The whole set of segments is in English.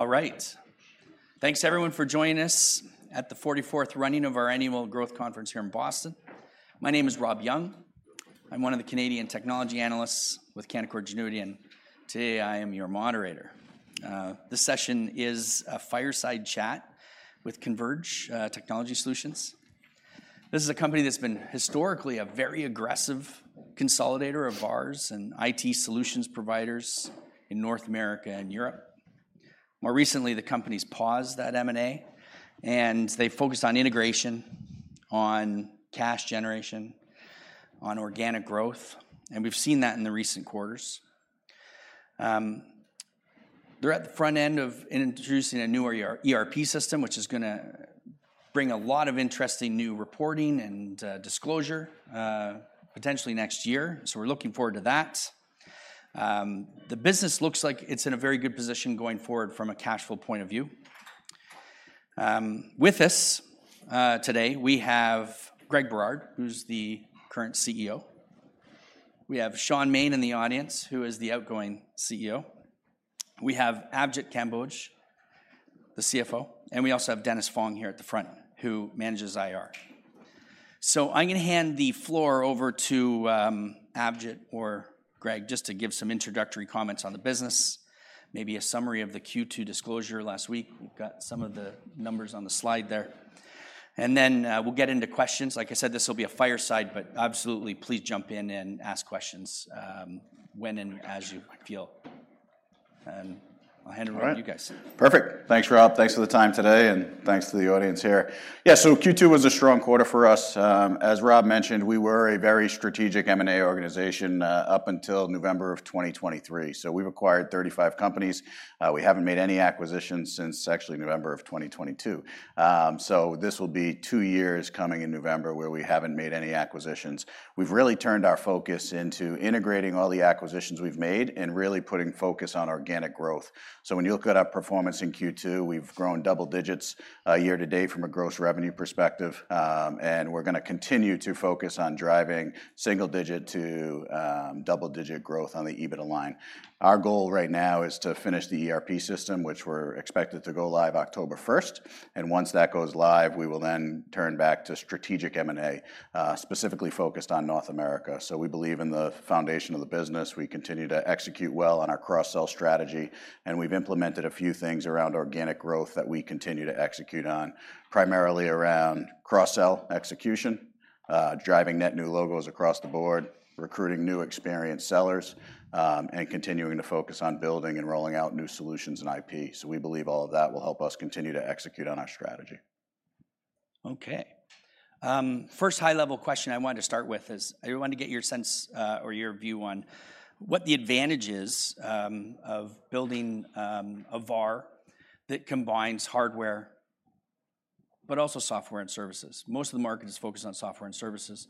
All right. Thanks everyone for joining us at the 44th running of our annual growth conference here in Boston. My name is Rob Young. I'm one of the Canadian technology analysts with Canaccord Genuity, and today I am your moderator. This session is a fireside chat with Converge Technology Solutions. This is a company that's been historically a very aggressive consolidator of VARs and IT solutions providers in North America and Europe. More recently, the company's paused that M&A, and they focused on integration, on cash generation, on organic growth, and we've seen that in the recent quarters. They're at the front end of introducing a new ER, ERP system, which is gonna bring a lot of interesting new reporting and disclosure, potentially next year, so we're looking forward to that. The business looks like it's in a very good position going forward from a cash flow point of view. With us today, we have Greg Berard, who's the current CEO. We have Shaun Maine in the audience, who is the outgoing CEO. We have Avjit Kamboj, the CFO, and we also have Dennis Fong here at the front, who manages IR. So I'm gonna hand the floor over to Avjit or Greg, just to give some introductory comments on the business, maybe a summary of the Q2 disclosure last week. We've got some of the numbers on the slide there, and then we'll get into questions. Like I said, this will be a fireside, but absolutely please jump in and ask questions when and as you feel. I'll hand it over to you guys. All right. Perfect! Thanks, Rob. Thanks for the time today, and thanks to the audience here. Yeah, so Q2 was a strong quarter for us. As Rob mentioned, we were a very strategic M&A organization up until November of 2023. So we've acquired 35 companies. We haven't made any acquisitions since actually November of 2022. So this will be two years coming in November, where we haven't made any acquisitions. We've really turned our focus into integrating all the acquisitions we've made and really putting focus on organic growth. So when you look at our performance in Q2, we've grown double digits year to date from a gross revenue perspective, and we're gonna continue to focus on driving single-digit to double-digit growth on the EBITDA line. Our goal right now is to finish the ERP system, which we're expected to go live October first, and once that goes live, we will then turn back to strategic M&A, specifically focused on North America. So we believe in the foundation of the business. We continue to execute well on our cross-sell strategy, and we've implemented a few things around organic growth that we continue to execute on, primarily around cross-sell execution, driving net new logos across the board, recruiting new experienced sellers, and continuing to focus on building and rolling out new solutions and IP. So we believe all of that will help us continue to execute on our strategy. Okay. First high-level question I wanted to start with is, I wanted to get your sense, or your view on what the advantages of building a VAR that combines hardware but also software and services. Most of the market is focused on software and services.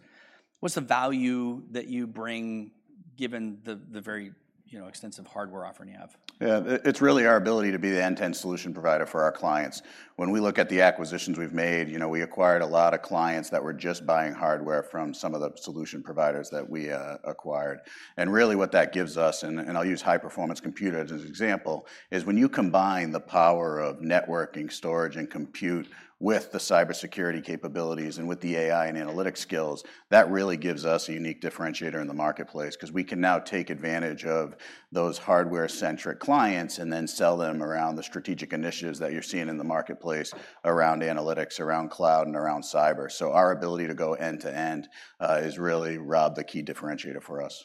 What's the value that you bring, given the very, you know, extensive hardware offering you have? Yeah. It's really our ability to be the end-to-end solution provider for our clients. When we look at the acquisitions we've made, you know, we acquired a lot of clients that were just buying hardware from some of the solution providers that we acquired. And really, what that gives us, and, and I'll use high-performance compute as an example, is when you combine the power of networking, storage, and compute with the cybersecurity capabilities and with the AI and analytics skills, that really gives us a unique differentiator in the marketplace. 'Cause we can now take advantage of those hardware-centric clients and then sell them around the strategic initiatives that you're seeing in the marketplace, around analytics, around cloud, and around cyber. So our ability to go end to end is really, Rob, the key differentiator for us.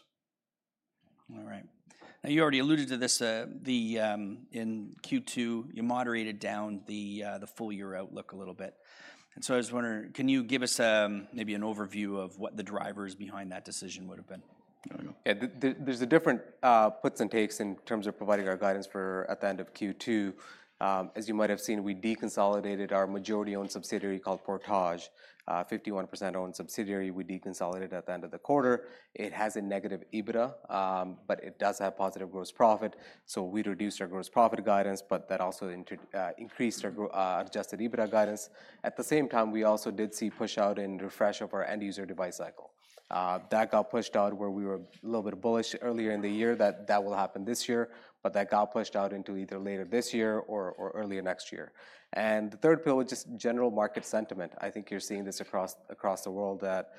All right. Now, you already alluded to this, in Q2, you moderated down the full year outlook a little bit. And so I was wondering, can you give us maybe an overview of what the drivers behind that decision would have been? Yeah. There's a different puts and takes in terms of providing our guidance for at the end of Q2. As you might have seen, we deconsolidated our majority-owned subsidiary called Portage. 51% owned subsidiary, we deconsolidated at the end of the quarter. It has a negative EBITDA, but it does have positive gross profit, so we reduced our gross profit guidance, but that also increased our Adjusted EBITDA guidance. At the same time, we also did see pushout and refresh of our end-user device cycle. That got pushed out where we were a little bit bullish earlier in the year that that will happen this year, but that got pushed out into either later this year or earlier next year. And the third pillar was just general market sentiment. I think you're seeing this across the world, that,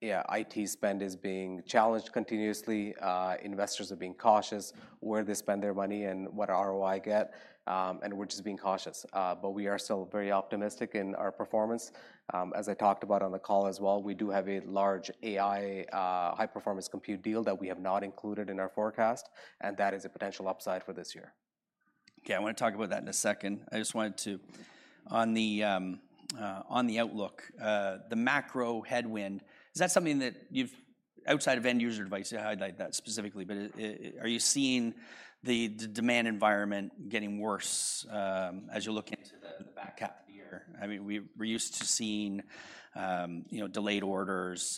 yeah, IT spend is being challenged continuously. Investors are being cautious where they spend their money and what ROI get, and we're just being cautious. But we are still very optimistic in our performance. As I talked about on the call as well, we do have a large AI, high-performance compute deal that we have not included in our forecast, and that is a potential upside for this year. Okay, I want to talk about that in a second. I just wanted to. On the outlook, the macro headwind, is that something that you've- outside of end-user device, you highlight that specifically, but, are you seeing the demand environment getting worse, as you look into the back half of the year? I mean, we're used to seeing, you know, delayed orders,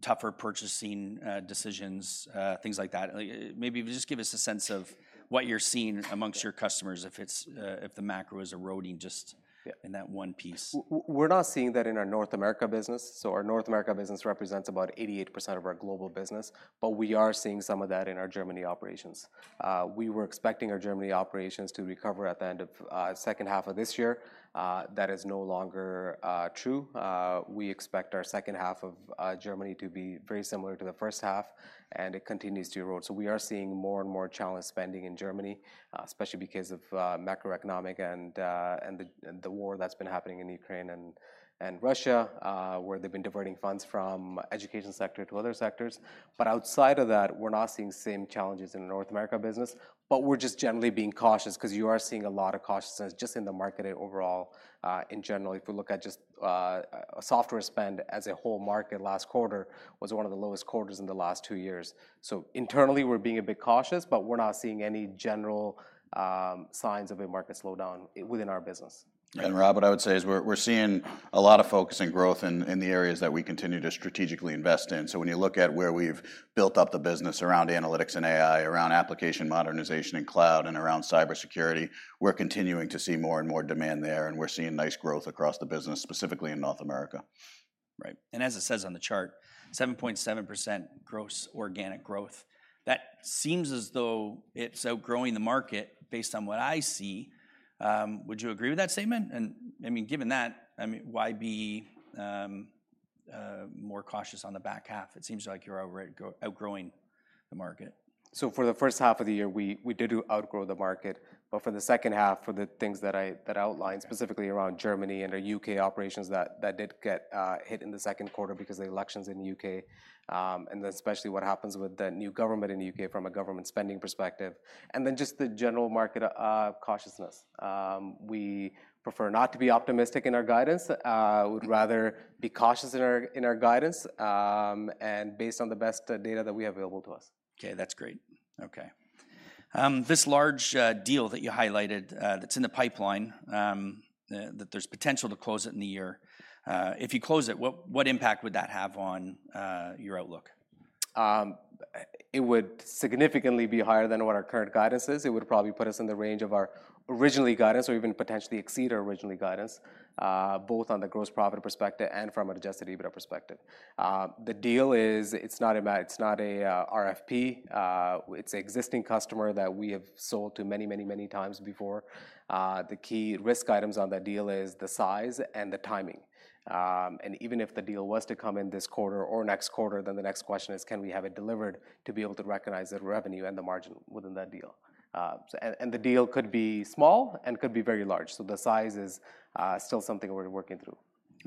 tougher purchasing decisions, things like that. Maybe just give us a sense of what you're seeing amongst your customers, if it's, if the macro is eroding just. Yeah In that one piece. We're not seeing that in our North America business. So our North America business represents about 88% of our global business, but we are seeing some of that in our Germany operations. We were expecting our Germany operations to recover at the end of the second half of this year. That is no longer true. We expect our second half of Germany to be very similar to the first half, and it continues to erode. So we are seeing more and more challenged spending in Germany, especially because of macroeconomic and the war that's been happening in Ukraine and Russia, where they've been diverting funds from education sector to other sectors. But outside of that, we're not seeing the same challenges in the North America business. But we're just generally being cautious 'cause you are seeing a lot of cautiousness just in the market overall. In general, if we look at just, software spend as a whole market, last quarter was one of the lowest quarters in the last two years. So internally, we're being a bit cautious, but we're not seeing any general signs of a market slowdown within our business. And Rob, what I would say is we're seeing a lot of focus and growth in the areas that we continue to strategically invest in. So when you look at where we've built up the business around analytics and AI, around application modernization and cloud, and around cybersecurity, we're continuing to see more and more demand there, and we're seeing nice growth across the business, specifically in North America. Right. As it says on the chart, 7.7% gross organic growth. That seems as though it's outgrowing the market, based on what I see. Would you agree with that statement? And, I mean, given that, I mean, why be more cautious on the back half? It seems like you're already outgrowing the market. So for the first half of the year, we did outgrow the market, but for the second half, for the things that I outlined, specifically around Germany and our U.K. operations, that did get hit in the second quarter because of the elections in U.K. And especially what happens with the new government in the U.K. from a government spending perspective, and then just the general market cautiousness. We prefer not to be optimistic in our guidance. We'd rather be cautious in our guidance, and based on the best data that we have available to us. Okay, that's great. Okay. This large deal that you highlighted, that's in the pipeline, that there's potential to close it in the year, if you close it, what impact would that have on your outlook? It would significantly be higher than what our current guidance is. It would probably put us in the range of our original guidance or even potentially exceed our original guidance, both on the gross profit perspective and from an Adjusted EBITDA perspective. The deal is, it's not a RFP. It's an existing customer that we have sold to many, many, many times before. The key risk items on that deal is the size and the timing. And even if the deal was to come in this quarter or next quarter, then the next question is, can we have it delivered to be able to recognize that revenue and the margin within that deal? And, and the deal could be small and could be very large, so the size is still something we're working through.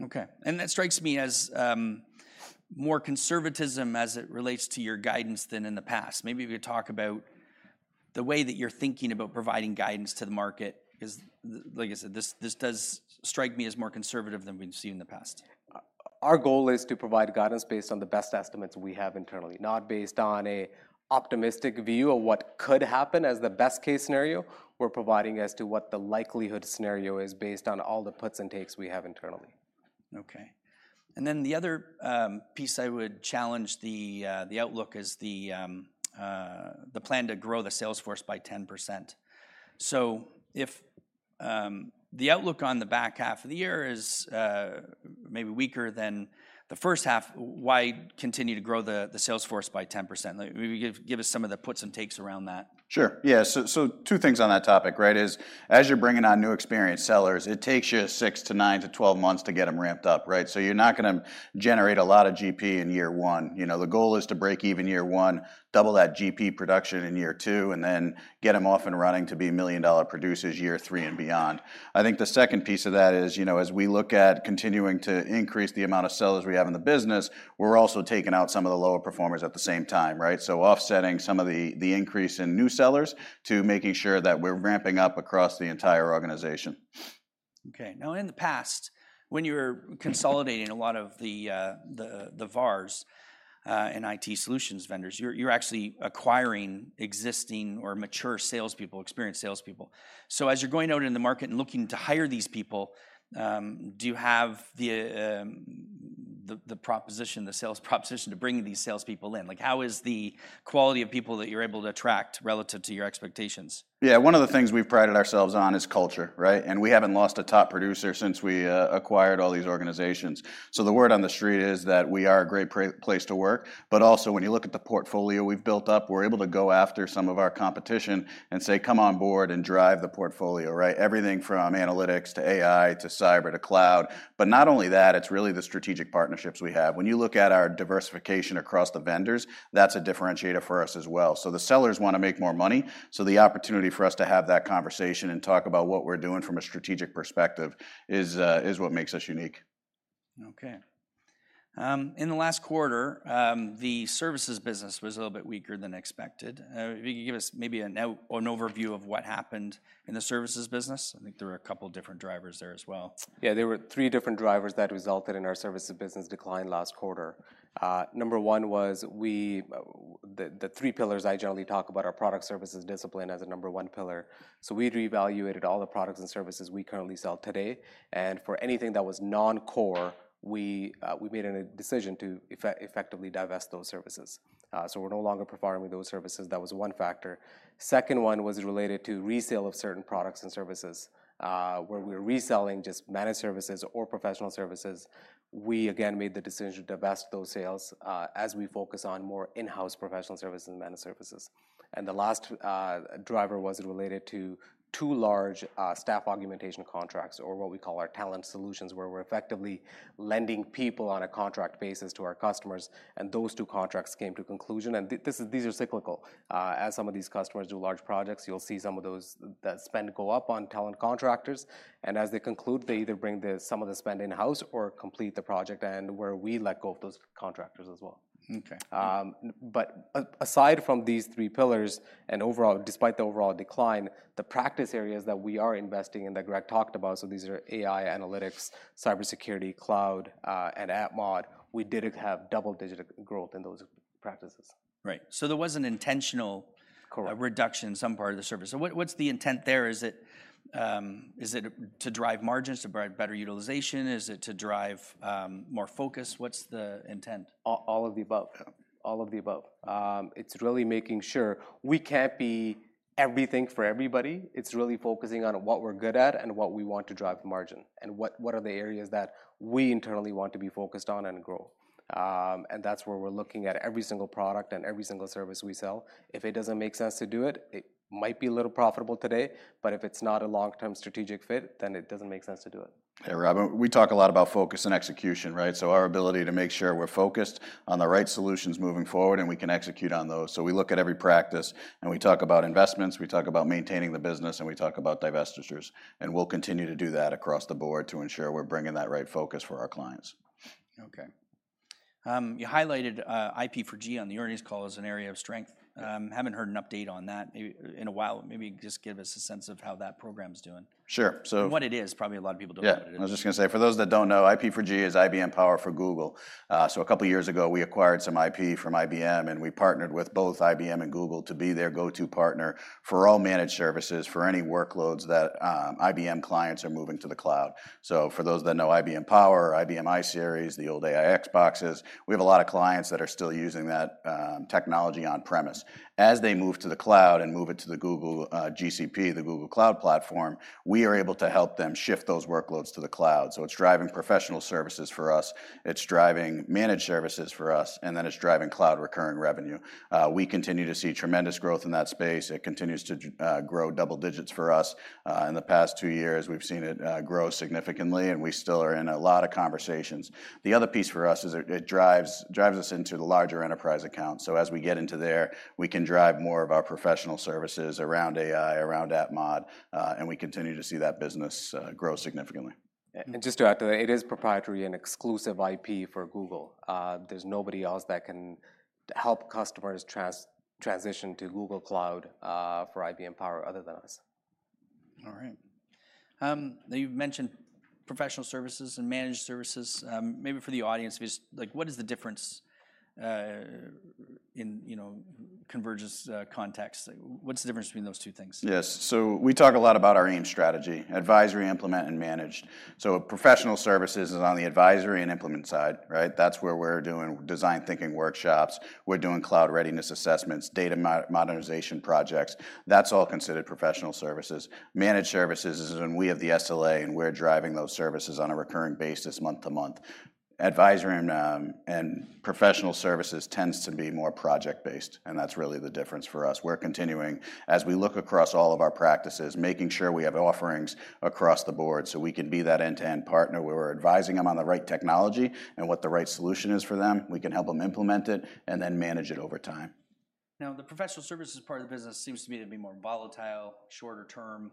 Okay, and that strikes me as more conservatism as it relates to your guidance than in the past. Maybe if you talk about the way that you're thinking about providing guidance to the market, 'cause like I said, this does strike me as more conservative than we've seen in the past. Our goal is to provide guidance based on the best estimates we have internally, not based on a optimistic view of what could happen as the best-case scenario. We're providing as to what the likelihood scenario is, based on all the puts and takes we have internally. Okay. And then the other piece I would challenge the outlook is the plan to grow the sales force by 10%. So if the outlook on the back half of the year is maybe weaker than the first half, why continue to grow the sales force by 10%? Like, maybe give us some of the puts and takes around that. Sure. Yeah, so two things on that topic, right, is, as you're bringing on new experienced sellers, it takes you 6-9-12 months to get them ramped up, right? So you're not gonna generate a lot of GP in year one. You know, the goal is to break even year one, double that GP production in year two, and then get them off and running to be million-dollar producers year three and beyond. I think the second piece of that is, you know, as we look at continuing to increase the amount of sellers we have in the business, we're also taking out some of the lower performers at the same time, right? So offsetting some of the, the increase in new sellers to making sure that we're ramping up across the entire organization. Okay. Now, in the past, when you were consolidating a lot of the VARs and IT solutions vendors, you're actually acquiring existing or mature salespeople, experienced salespeople. So as you're going out in the market and looking to hire these people, do you have the proposition, the sales proposition to bring these salespeople in? Like, how is the quality of people that you're able to attract relative to your expectations? Yeah, one of the things we've prided ourselves on is culture, right? And we haven't lost a top producer since we acquired all these organizations. So the word on the street is that we are a great place to work, but also, when you look at the portfolio we've built up, we're able to go after some of our competition and say, "Come on board and drive the portfolio," right? Everything from analytics to AI, to cyber, to cloud, but not only that, it's really the strategic partnerships we have. When you look at our diversification across the vendors, that's a differentiator for us as well. So the sellers wanna make more money, so the opportunity for us to have that conversation and talk about what we're doing from a strategic perspective is what makes us unique. Okay. In the last quarter, the services business was a little bit weaker than expected. If you could give us maybe an overview of what happened in the services business? I think there were a couple different drivers there as well. Yeah, there were three different drivers that resulted in our services business decline last quarter. Number one was the three pillars I generally talk about are product services discipline as a number one pillar. So we reevaluated all the products and services we currently sell today, and for anything that was non-core, we made a decision to effectively divest those services. So we're no longer providing those services. That was one factor. Second one was related to resale of certain products and services, where we're reselling just managed services or professional services. We again made the decision to divest those sales, as we focus on more in-house professional services and managed services. The last driver was related to two large staff augmentation contracts or what we call our Talent Solutions, where we're effectively lending people on a contract basis to our customers, and those two contracts came to conclusion. This is, these are cyclical. As some of these customers do large projects, you'll see some of those that spend go up on talent contractors, and as they conclude, they either bring some of the spend in-house or complete the project and where we let go of those contractors as well. Okay. But aside from these three pillars, and overall, despite the overall decline, the practice areas that we are investing in, that Greg talked about, so these are AI, analytics, cybersecurity, cloud, and app mod, we did have double-digit growth in those practices. Right. So there was an intentional- Correct. A reduction in some part of the service. So what, what's the intent there? Is it, is it to drive margins, to provide better utilization? Is it to drive, more focus? What's the intent? All, all of the above. Yeah. All of the above. It's really making sure we can't be everything for everybody. It's really focusing on what we're good at and what we want to drive margin, and what, what are the areas that we internally want to be focused on and grow. And that's where we're looking at every single product and every single service we sell. If it doesn't make sense to do it, it might be a little profitable today, but if it's not a long-term strategic fit, then it doesn't make sense to do it. Hey, Rob, we talk a lot about focus and execution, right? So our ability to make sure we're focused on the right solutions moving forward, and we can execute on those. So we look at every practice, and we talk about investments, we talk about maintaining the business, and we talk about divestitures. And we'll continue to do that across the board to ensure we're bringing that right focus for our clients. Okay. You highlighted IP4G on the earnings call as an area of strength. Yeah. Haven't heard an update on that maybe in a while. Maybe just give us a sense of how that program's doing. Sure. So. What it is. Probably a lot of people don't know what it is. Yeah, I was just gonna say, for those that don't know, IP4G is IBM Power for Google. So a couple of years ago, we acquired some IP from IBM, and we partnered with both IBM and Google to be their go-to partner for all managed services, for any workloads that IBM clients are moving to the cloud. So for those that know IBM Power or IBM iSeries, the old AIX boxes, we have a lot of clients that are still using that technology on-premises. As they move to the cloud and move it to the Google GCP, the Google Cloud Platform, we are able to help them shift those workloads to the cloud. So it's driving professional services for us, it's driving managed services for us, and then it's driving cloud recurring revenue. We continue to see tremendous growth in that space. It continues to grow double digits for us. In the past two years, we've seen it grow significantly, and we still are in a lot of conversations. The other piece for us is it drives us into the larger enterprise accounts. So as we get into there, we can drive more of our professional services around AI, around app mod, and we continue to see that business grow significantly. Just to add to that, it is proprietary and exclusive IP for Google. There's nobody else that can help customers transition to Google Cloud for IBM Power other than us. All right. Now you've mentioned professional services and managed services. Maybe for the audience, just like, what is the difference, in, you know, Converge's context? What's the difference between those two things? Yes. So we talk a lot about our AIM strategy, advisory, implement, and managed. So professional services is on the advisory and implement side, right? That's where we're doing design thinking workshops, we're doing cloud readiness assessments, data modernization projects. That's all considered professional services. Managed services is when we have the SLA, and we're driving those services on a recurring basis month to month. Advisory and, and professional services tends to be more project-based, and that's really the difference for us. We're continuing, as we look across all of our practices, making sure we have offerings across the board, so we can be that end-to-end partner, where we're advising them on the right technology and what the right solution is for them. We can help them implement it and then manage it over time. Now, the professional services part of the business seems to me to be more volatile, shorter term.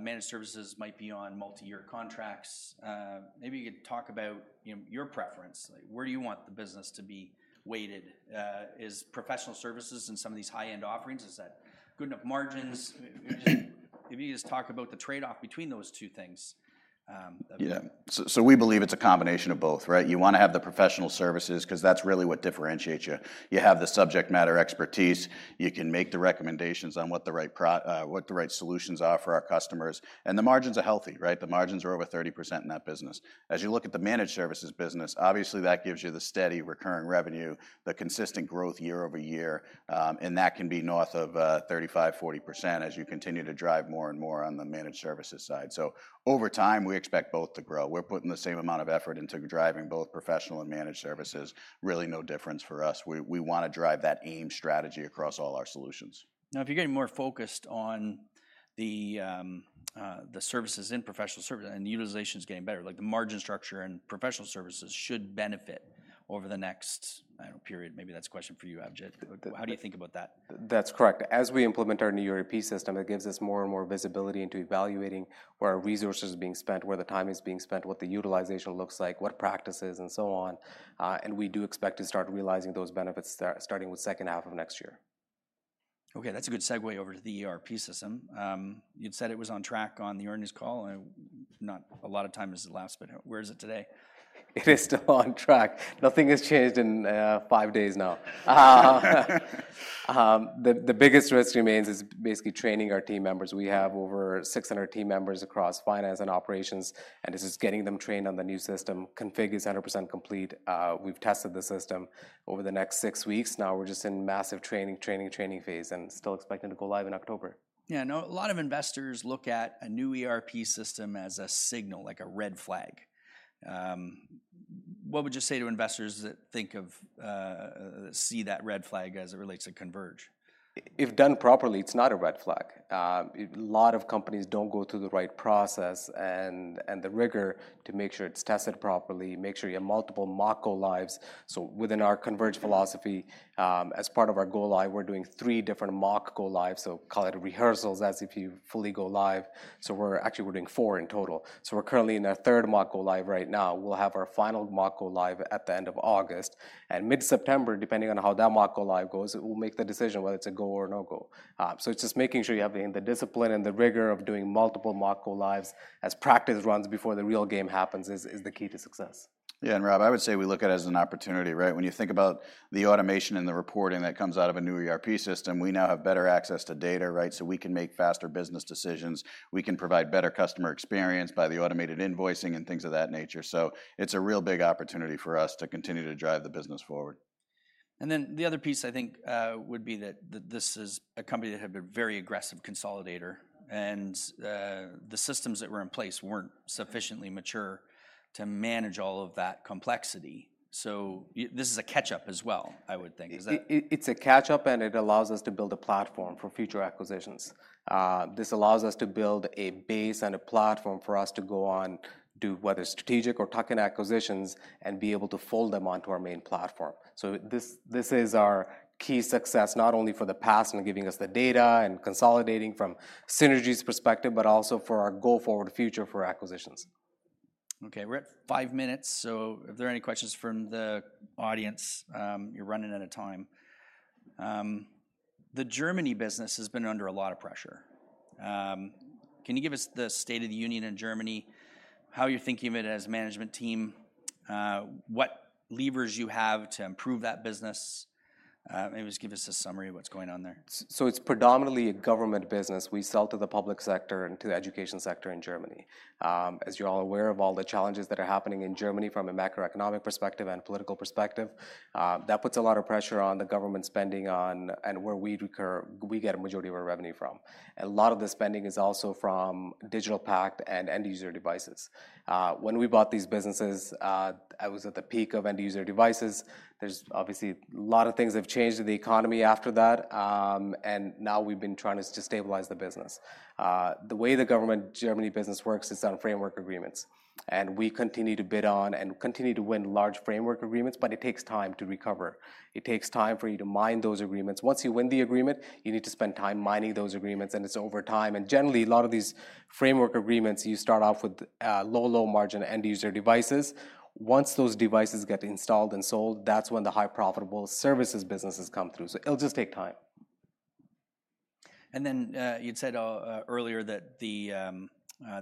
Managed services might be on multiyear contracts. Maybe you could talk about your preference. Like, where do you want the business to be weighted? Is professional services and some of these high-end offerings, is that good enough margins? If you just talk about the trade-off between those two things, Yeah. So, so we believe it's a combination of both, right? You wanna have the professional services 'cause that's really what differentiates you. You have the subject matter expertise, you can make the recommendations on what the right solutions are for our customers, and the margins are healthy, right? The margins are over 30% in that business. As you look at the managed services business, obviously, that gives you the steady recurring revenue, the consistent growth year-over-year, and that can be north of 35%-40% as you continue to drive more and more on the managed services side. So over time, we expect both to grow. We're putting the same amount of effort into driving both professional and managed services. Really no difference for us. We wanna drive that AIM strategy across all our solutions. Now, if you're getting more focused on the services in professional service, and utilization's getting better, like the margin structure and professional services should benefit over the next, I don't know, period. Maybe that's a question for you, Avjit. How do you think about that? That's correct. As we implement our new ERP system, it gives us more and more visibility into evaluating where our resources are being spent, where the time is being spent, what the utilization looks like, what practices, and so on. And we do expect to start realizing those benefits starting with second half of next year. Okay, that's a good segue over to the ERP system. You'd said it was on track on the earnings call, and not a lot of time has elapsed, but where is it today? It is still on track. Nothing has changed in five days now. The biggest risk remains is basically training our team members. We have over 600 team members across finance and operations, and this is getting them trained on the new system. Config is 100% complete. We've tested the system over the next 6 weeks. Now we're just in massive training, training, training phase, and still expecting to go live in October. Yeah, I know a lot of investors look at a new ERP system as a signal, like a red flag. What would you say to investors that think of, see that red flag as it relates to Converge? If done properly, it's not a red flag. A lot of companies don't go through the right process and the rigor to make sure it's tested properly, make sure you have multiple mock go-lives. So within our Converge philosophy, as part of our go-live, we're doing three different mock go-lives, so call it rehearsals as if you fully go live. So we're actually, we're doing four in total. So we're currently in our third mock go-live right now. We'll have our final mock go-live at the end of August, and mid-September, depending on how that mock go-live goes, we'll make the decision whether it's a go or a no-go. So it's just making sure you have the discipline and the rigor of doing multiple mock go-lives as practice runs before the real game happens is the key to success. Yeah, and Rob, I would say we look at it as an opportunity, right? When you think about the automation and the reporting that comes out of a new ERP system, we now have better access to data, right? So we can make faster business decisions. We can provide better customer experience by the automated invoicing and things of that nature. So it's a real big opportunity for us to continue to drive the business forward. And then the other piece, I think, would be that, that this is a company that had been very aggressive consolidator, and, the systems that were in place weren't sufficiently mature to manage all of that complexity. So this is a catch-up as well, I would think Is that. It’s a catch-up, and it allows us to build a platform for future acquisitions. This allows us to build a base and a platform for us to go on, do whether strategic or tuck-in acquisitions and be able to fold them onto our main platform. So this, this is our key success, not only for the past and giving us the data and consolidating from synergies perspective, but also for our go-forward future for acquisitions. Okay, we're at five minutes, so if there are any questions from the audience, you're running out of time. The Germany business has been under a lot of pressure. Can you give us the state of the union in Germany, how you're thinking of it as a management team, what levers you have to improve that business? Maybe just give us a summary of what's going on there. So it's predominantly a government business. We sell to the public sector and to the education sector in Germany. As you're all aware of all the challenges that are happening in Germany from a macroeconomic perspective and political perspective, that puts a lot of pressure on the government spending on and where we recur, we get a majority of our revenue from. A lot of the spending is also from DigitalPakt and end-user devices. When we bought these businesses, it was at the peak of end-user devices. There's obviously a lot of things have changed in the economy after that, and now we've been trying to stabilize the business. The way the government Germany business works is on framework agreements, and we continue to bid on and continue to win large framework agreements, but it takes time to recover. It takes time for you to mine those agreements. Once you win the agreement, you need to spend time mining those agreements, and it's over time. Generally, a lot of these framework agreements, you start off with low, low margin end-user devices. Once those devices get installed and sold, that's when the high profitable services businesses come through. So it'll just take time. And then, you'd said earlier that the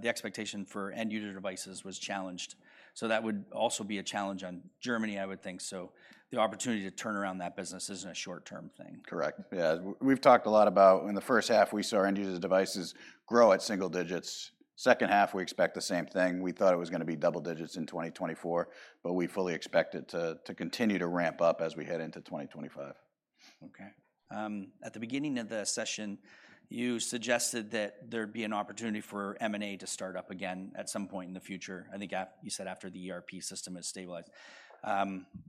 expectation for end-user devices was challenged. So that would also be a challenge on Germany, I would think. So the opportunity to turn around that business isn't a short-term thing. Correct. Yeah, we've talked a lot about... In the first half, we saw end-user devices grow at single digits. Second half, we expect the same thing. We thought it was gonna be double digits in 2024, but we fully expect it to continue to ramp up as we head into 2025. Okay. At the beginning of the session, you suggested that there'd be an opportunity for M&A to start up again at some point in the future, I think you said after the ERP system is stabilized.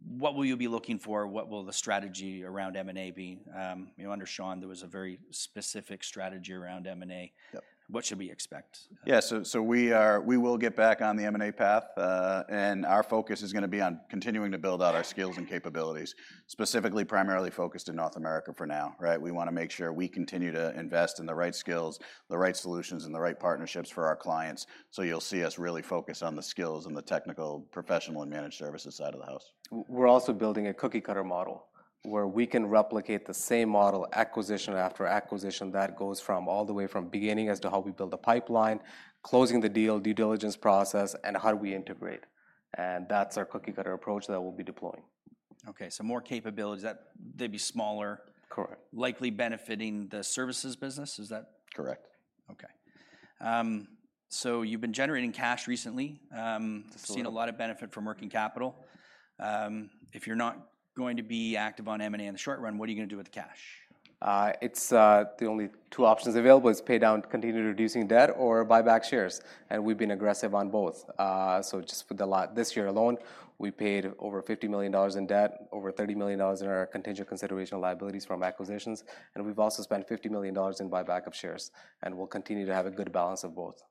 What will you be looking for? What will the strategy around M&A be? You know, under Shaun, there was a very specific strategy around M&A. Yep. What should we expect? Yeah, so we will get back on the M&A path, and our focus is gonna be on continuing to build out our skills and capabilities, specifically primarily focused in North America for now, right? We wanna make sure we continue to invest in the right skills, the right solutions, and the right partnerships for our clients. So you'll see us really focus on the skills and the technical, professional, and managed services side of the house. We're also building a cookie-cutter model, where we can replicate the same model acquisition after acquisition. That goes from all the way from beginning as to how we build a pipeline, closing the deal, due diligence process, and how do we integrate, and that's our cookie-cutter approach that we'll be deploying. Okay, so more capabilities that they'd be smaller. Correct. likely benefiting the services business, is that- Correct. Okay. So you've been generating cash recently. Absolutely. Seen a lot of benefit from working capital. If you're not going to be active on M&A in the short run, what are you gonna do with the cash? It's the only two options available is pay down, continue reducing debt or buy back shares, and we've been aggressive on both. So just for this year alone, we paid over $50 million in debt, over $30 million in our contingent consideration liabilities from acquisitions, and we've also spent $50 million in buyback of shares, and we'll continue to have a good balance of both.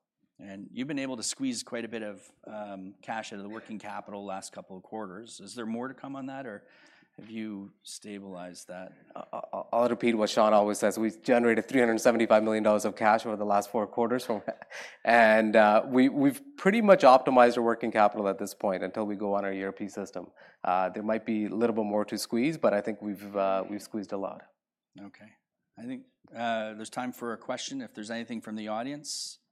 You've been able to squeeze quite a bit of cash out of the working capital last couple of quarters. Is there more to come on that, or have you stabilized that? I'll repeat what Shaun always says: We've generated $375 million of cash over the last four quarters, and we've pretty much optimized our working capital at this point until we go on our ERP system. There might be a little bit more to squeeze, but I think we've squeezed a lot. Okay. I think, there's time for a question if there's anything from the audience. Just on that cash-